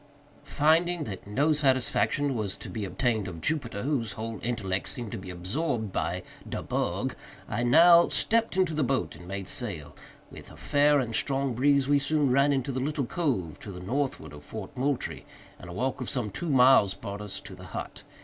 Finding that no satisfaction was to be obtained of Jupiter, whose whole intellect seemed to be absorbed by "de bug," I now stepped into the boat and made sail. With a fair and strong breeze we soon ran into the little cove to the northward of Fort Moultrie, and a walk of some two miles brought us to the hut.